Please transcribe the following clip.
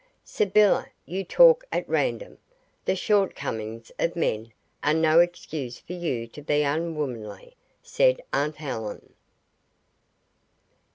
"Sybylla, you talk at random. The shortcomings of men are no excuse for you to be unwomanly," said aunt Helen.